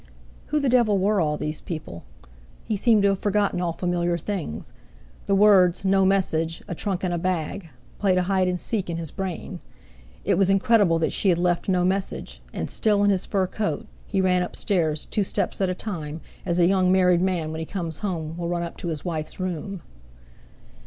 Who the devil were all these people? He seemed to have forgotten all familiar things. The words "no message—a trunk, and a bag," played a hide and seek in his brain. It was incredible that she had left no message, and, still in his fur coat, he ran upstairs two steps at a time, as a young married man when he comes home will run up to his wife's room.